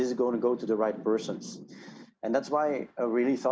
saya benar benar berpikir tentang